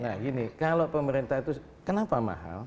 nah gini kalau pemerintah itu kenapa mahal